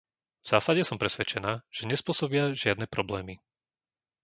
V zásade som presvedčená, že nespôsobia žiadne problémy.